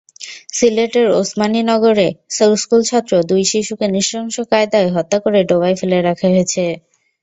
সিলেটের ওসমানীনগরে স্কুলছাত্র দুই শিশুকে নৃশংস কায়দায় হত্যা করে ডোবায় ফেলে রাখা হয়েছে।